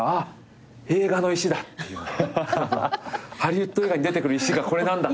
ハリウッド映画に出てくる石がこれなんだ。